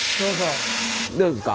どうですか？